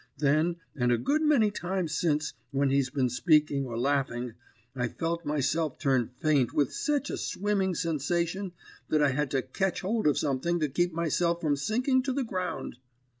Then, and a good many times since when he's been speaking or laughing, I felt myself turn faint with sech a swimming sensation that I had to ketch hold of something to keep myself from sinking to the ground.